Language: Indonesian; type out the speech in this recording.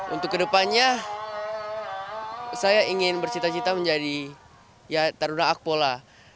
untuk kedepannya saya ingin bercita cita menjadi ya taruna akpola